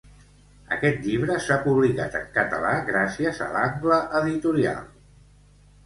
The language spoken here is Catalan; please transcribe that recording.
Aquest llibre s'ha publicat en català gràcies a l'Angle Editorial.